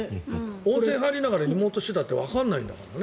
温泉入りながらリモートしてたってわからないんだから。